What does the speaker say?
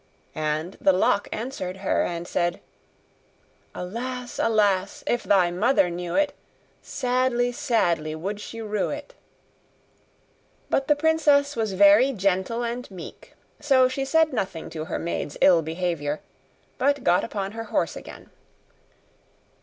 And the lock answered her, and said: 'Alas! alas! if thy mother knew it, Sadly, sadly, would she rue it.' But the princess was very gentle and meek, so she said nothing to her maid's ill behaviour, but got upon her horse again.